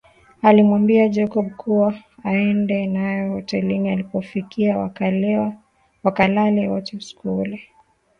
Alimwambia Jacob kuwa aende naye hotelini alipofikia wakalale wote usiku ule